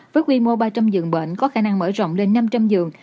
với quy mô ba trăm linh giường bệnh có khả năng mở rộng lên năm trăm linh giường